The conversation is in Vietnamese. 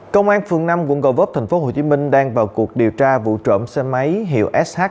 công an phường năm quận gò vấp tp hcm đang vào cuộc điều tra vụ trộm xe máy hiệu sh